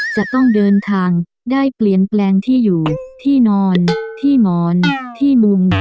จะต้องเดินทางได้เปลี่ยนแปลงที่อยู่ที่นอนที่หมอนที่มุม